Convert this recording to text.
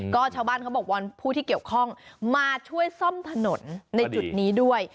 ก็ชาวบ้านเขาบอกว่าผู้ที่เกี่ยวข้องมาช่วยซ่อมถนนในจุดนี้ด้วย